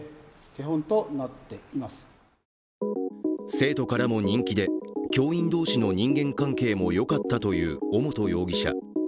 生徒からも人気で、教員同士の人間関係もよかったという尾本容疑者。